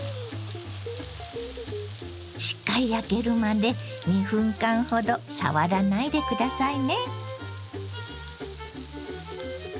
しっかり焼けるまで２分間ほど触らないで下さいね。